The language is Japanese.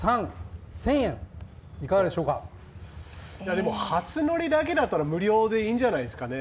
でも、初乗りだけだったら無料でいいんじゃないですかね。